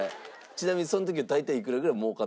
ちなみにその時は大体。